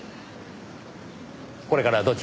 これからどちらへ？